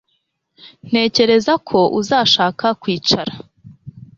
Ntekereza ko uzashaka kwicara